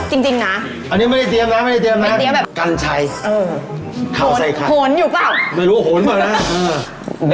ดีจริงไหมพี่พอมดีจริงหรือเปล่า